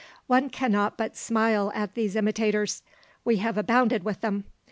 One cannot but smile at these imitators; we have abounded with them.